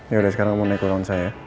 yaudah sekarang mau naik ke tahun saya